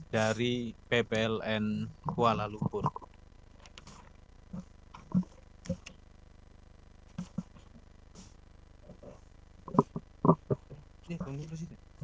dari pbln kuala lumpur